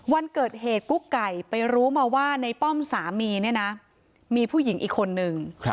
วันเกิดเหตุกุ๊กไก่ไปรู้มาว่าในป้อมสามีเนี่ยนะมีผู้หญิงอีกคนนึง